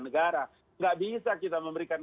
negara nggak bisa kita memberikan